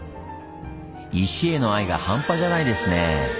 石への愛が半端じゃないですねぇ。